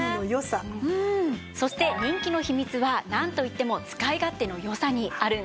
そして人気の秘密はなんといっても使い勝手の良さにあるんです。